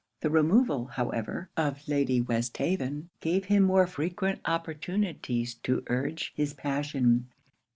The removal, however, of Lady Westhaven gave him more frequent opportunities to urge his passion.